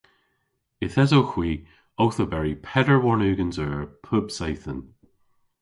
Yth esowgh hwi owth oberi peder warn ugens eur pub seythen.